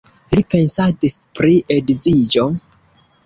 Li pensadis pri edziĝo.